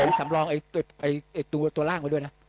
มีโซลองไอ้ตัวล่างมันด้วยนะ